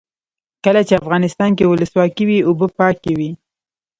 کله چې افغانستان کې ولسواکي وي اوبه پاکې وي.